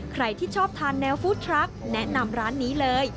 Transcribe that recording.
ใครที่ชอบทานแนวฟู้ดทรัคแนะนำร้านนี้เลย